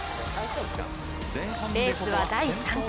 レースは第３区。